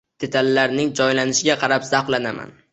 Detallarning joylanishiga qarab zavqlanaman.